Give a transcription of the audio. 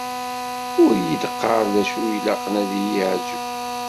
Ur yi-d-qqar d acu ilaqen ad yi-yeεǧeb!